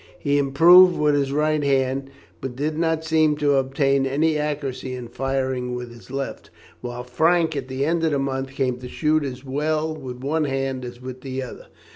He improved with his right hand, but did not seem to obtain any accuracy in firing with his left, while Frank, at the end of a month, came to shoot as well with one hand as with the other.